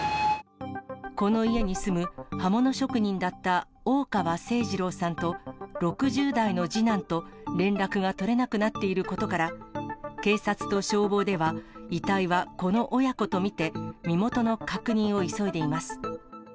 この家に住む刃物職人だった大川清次郎さんと、６０代の次男と連絡が取れなくなっていることから、警察と消防では、遺体はこの親子と見て身元の確認を急いでいます。